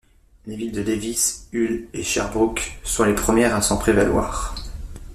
Les villes de Lévis, Hull et Sherbrooke sont les premières à s'en prévaloir.